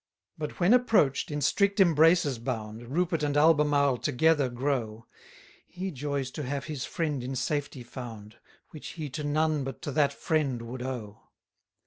117 But when approach'd, in strict embraces bound, Rupert and Albemarle together grow; He joys to have his friend in safety found, Which he to none but to that friend would owe.